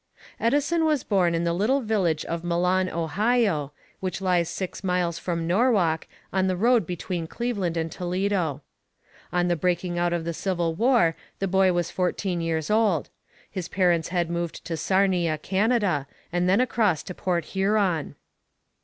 Edison was born at the little village of Milan, Ohio, which lies six miles from Norwalk on the road between Cleveland and Toledo. On the breaking out of the Civil War the boy was fourteen years old. His parents had moved to Sarnia, Canada, and then across to Port Huron.